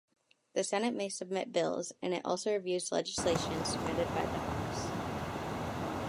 The Senate may submit bills, and it also reviews legislation submitted by the House.